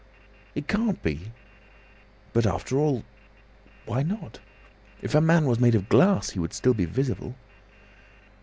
"It can't be. "But after all—why not? "If a man was made of glass he would still be visible."